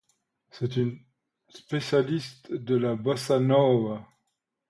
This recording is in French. C'est une spécialiste de la bossa nova.